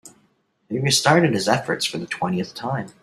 He restarted his efforts for the twentieth time.